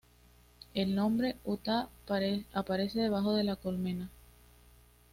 El nombre, Utah, aparece debajo de la colmena.